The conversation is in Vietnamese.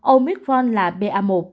omicron là ba một